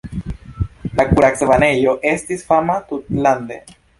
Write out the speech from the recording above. La kuracbanejo estis fama tutlande.